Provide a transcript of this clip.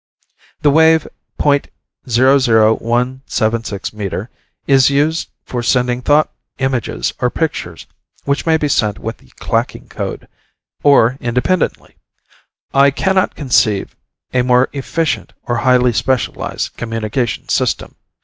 The wave .00176 meter, is used for sending thought images or pictures which may be sent with the "clacking" code, or independently. I cannot conceive a more efficient or highly specialized communications system.